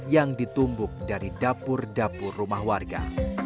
yang ditumbuk dari dapur dapur rumah warga